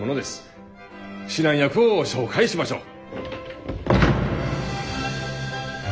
指南役を紹介しましょう。